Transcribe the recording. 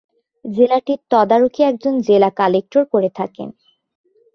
জেলাটির তদারকি একজন জেলা কালেক্টর করে থাকেন।